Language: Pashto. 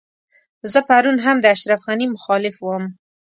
زه پرون هم د اشرف غني مخالف وم.